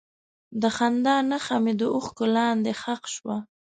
د خندا نښه مې د اوښکو لاندې ښخ شوه.